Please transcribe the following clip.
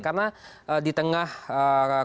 karena di tengah kompetisi kita